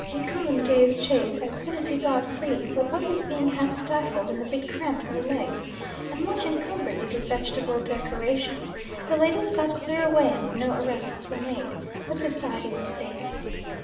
Ikun gave chase as soon as he got free, but what with being half stifled and a bit cramped in the legs, and much encumbered with his vegetable decorations, the ladies got clear away and no arrests were made but Society was saved.